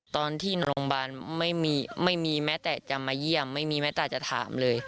ตอนที่โรงพยาบาลไม่มีไม่มีแม้แต่จะมาเยี่ยมไม่มีแม้แต่จะถามเลย